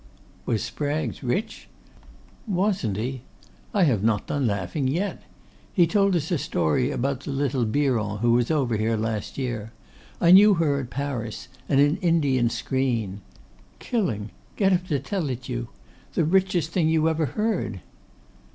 'Was Spraggs rich?' 'Wasn't he! I have not done laughing yet. He told us a story about the little Biron who was over here last year; I knew her at Paris; and an Indian screen. Killing! Get him to tell it you. The richest thing you ever heard!